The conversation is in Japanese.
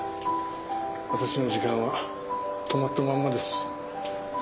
私の時間は止まったまんまです。